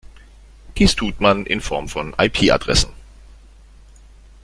Dies tut man in Form von IP-Adressen.